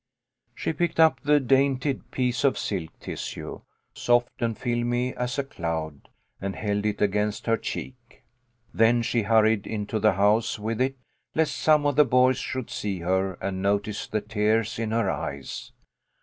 She picked up the dainty piece of silk tissue, soft and filmy as a cloud, and held it against her cheek. Then she hurried into the house with it, lest some of the boys should see her and notice the tears in her eyes.